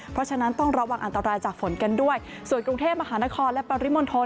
เพราะฉะนั้นต้องระวังอันตรายจากฝนกันด้วยส่วนกรุงเทพมหานครและปริมณฑล